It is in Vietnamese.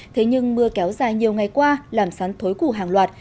thế nhưng mưa kéo dài nhiều ngày qua làm sắn thối củ hàng loạt